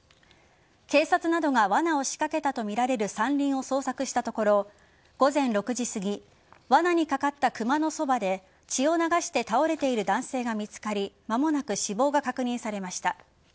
警察などがわなを仕掛けたとみられる山林を捜索したところ午前６時すぎわなにかかったクマのそばで血を流して倒れている男性が見つかり間もなく死亡が確認されました。